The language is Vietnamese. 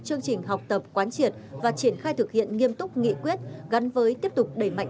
chương trình học tập quán triệt và triển khai thực hiện nghiêm túc nghị quyết gắn với tiếp tục đẩy mạnh